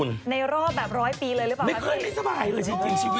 สวัสดีค่ะ